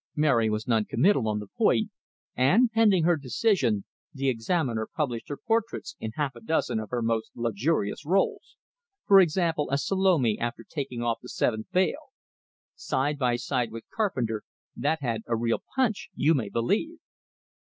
Mary was noncommittal on the point; and pending her decision, the "Examiner" published her portraits in half a dozen of her most luxurious roles for example, as Salome after taking off the seventh veil. Side by side with Carpenter, that had a real "punch," you may believe!